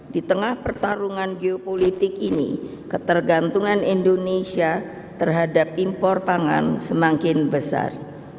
di tengah pertarungan geopolitik ini ketergantungan indonesia terhadap impor pangan semakin besar